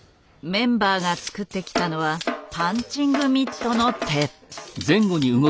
メンバーが作ってきたのはパンチングミットの手。